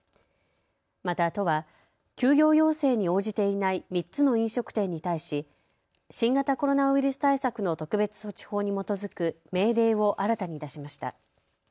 また都は休業要請に応じていない３つの飲食店に対し新型コロナウイルス対策の特別措置法に基づく命令を新たに出しました。